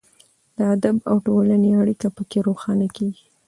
د ادب او ټولنې اړیکه پکې روښانه کیږي.